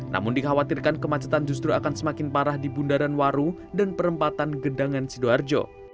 namun dikhawatirkan kemacetan justru akan semakin parah di bundaran waru dan perempatan gedangan sidoarjo